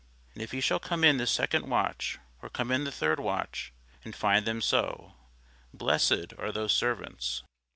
And if he shall come in the second watch, or come in the third watch, and find them so, blessed are those servants.